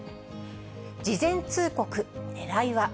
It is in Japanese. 事前通告ねらいは。